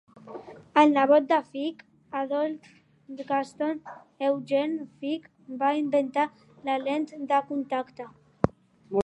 El nebot de Fick, Adolf Gaston Eugen Fick, va inventar la lent de contacte.